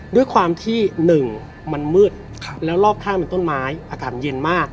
ด้วยความที่๑มันมืดแล้วรอบข้างเป็นต้นไม้อากาศเย็นมาก